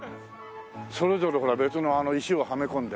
それぞれほら別の石をはめ込んで。